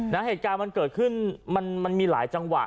เหตุการณ์มันเกิดขึ้นมันมีหลายจังหวะ